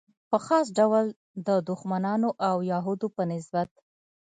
په خاص ډول د دښمنانو او یهودو په نسبت.